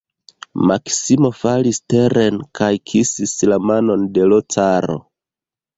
Maksimo falis teren kaj kisis la manon de l' caro.